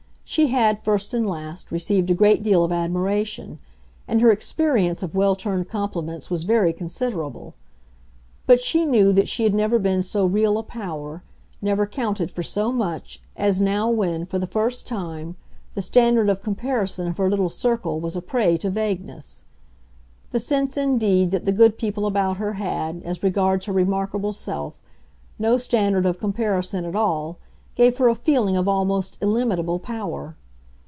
She had, first and last, received a great deal of admiration, and her experience of well turned compliments was very considerable; but she knew that she had never been so real a power, never counted for so much, as now when, for the first time, the standard of comparison of her little circle was a prey to vagueness. The sense, indeed, that the good people about her had, as regards her remarkable self, no standard of comparison at all gave her a feeling of almost illimitable power.